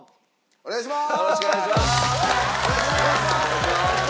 お願いします！